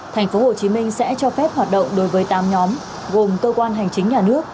thành phố hồ chí minh sẽ cho phép hoạt động đối với tám nhóm gồm cơ quan hành chính nhà nước